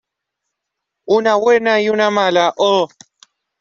una buena y una mala. ¡ oh!